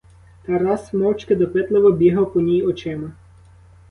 Тарас мовчки допитливо бігав по ній очима.